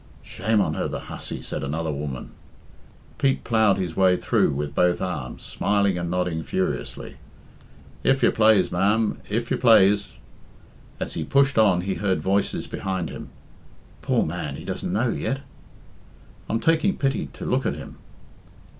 "Shame on her, the hussy," said another woman. Pete ploughed his way through with both arms, smiling and nodding furiously. "If you, plaze, ma'am I If you plaze." As he pushed on he heard voices behind him. "Poor man, he doesn't know yet." "I'm taking pity to look at him."